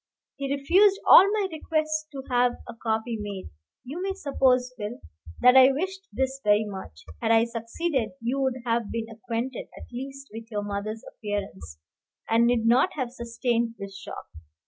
He refused all my requests to have a copy made. You may suppose, Phil, that I wished this very much. Had I succeeded, you would have been acquainted, at least, with your mother's appearance, and need not have sustained this shock.